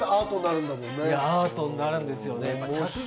アートになるんですよね。